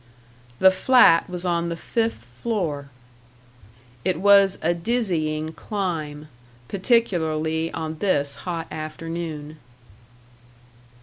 The flat was on the fifth floor. It was a dizzying climb particularly on this hot afternoon.